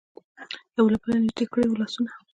یو له بله نژدې کړي وو لاسونه.